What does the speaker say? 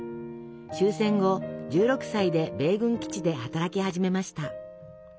終戦後１６歳で米軍基地で働き始めました。